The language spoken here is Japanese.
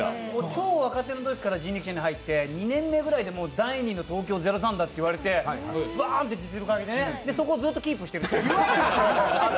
超若手のときから、入ってて２年目ぐらいで第２の東京０３だって言われてバーンって、ね、そこずーっとキープしてる。